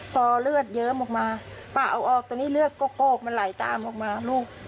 พอเลือดเยิ้มออกมาป้าเอาออกตอนนี้เลือดก็โกกมันไหลตามออกมาลูก